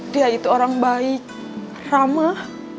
dia itu orang baik ramah